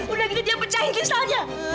udah gini dia pecahin kristalnya